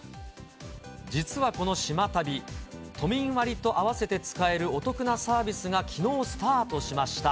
実はこの島旅、都民割と合わせて使えるお得なサービスがきのうスタートしました。